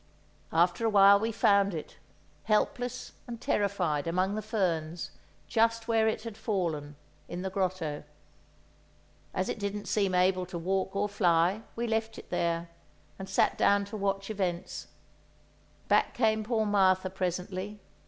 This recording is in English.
After a while we found it, helpless and terrified, among the ferns, just where it had fallen, in the grotto. As it didn't seem able to walk or fly, we left it there, and sat down to watch events. Back came poor Martha presently.